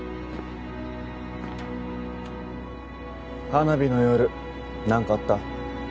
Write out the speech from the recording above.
・花火の夜何かあった？